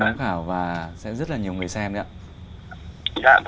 bán khảo và sẽ rất là nhiều người xem đấy ạ dạ vâng ạ